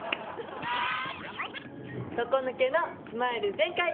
底抜けのスマイル全開！